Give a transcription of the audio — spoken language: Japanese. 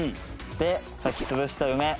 さっき潰した梅。